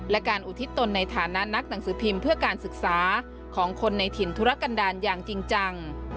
และการอุทิศตนในฐานะนักหนังสือพิมพ์เพื่อการศึกษาของคนในถิ่นธุรกันดาลอย่างจริงจัง